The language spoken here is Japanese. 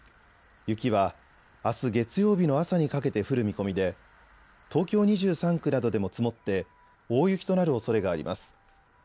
雪はあす月曜日の朝にかけて降る見込みで東京２３区などでも積もって大雪となるおそれがあります。